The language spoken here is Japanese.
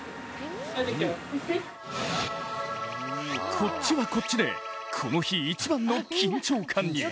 こっちはこっちでこの日一番の緊張感に。